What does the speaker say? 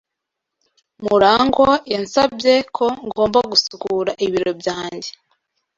Murangwa yansabye ko ngomba gusukura ibiro byanjye.